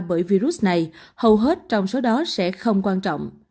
bởi virus này hầu hết trong số đó sẽ không quan trọng